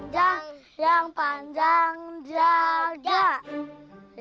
tangkacang panjang yang panjang jaga